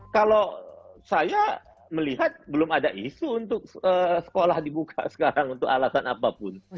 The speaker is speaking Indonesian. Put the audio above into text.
kalau saya melihat belum ada isu untuk sekolah dibuka sekarang untuk alasan apapun